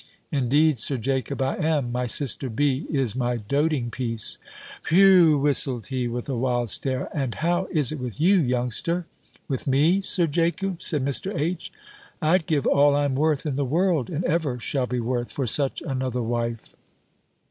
"Indeed, Sir Jacob, I am. My sister B. is my doating piece." "Whew!" whistled he, with a wild stare: "and how is it with you, youngster?" "With me, Sir Jacob?" said Mr. H., "I'd give all I'm worth in the world, and ever shall be worth, for such another wife."